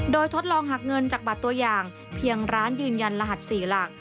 โดยทดลองหักเงินจากบัตรตัวอย่างเพียงร้านยืนยันรหัส๔หลัก